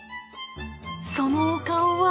そのお顔は。